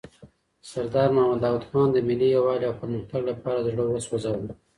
سردار محمد داود خان د ملي یووالي او پرمختګ لپاره زړه وسوزاوه.